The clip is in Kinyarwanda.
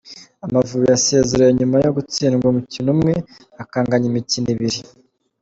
Amavubi yasezerewe nyuma yo gutsindwa umukino umwe akanganya imikino ibiri.